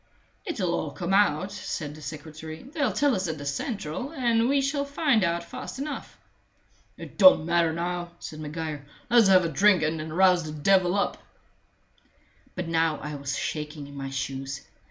"It'll all come out," said the secretary. "They'll tell us at the central, and we shall find out fast enough." "It don't matter now," said Maguire. "Let's have a drink and then rouse the devil up." But now I was shaking in my shoes.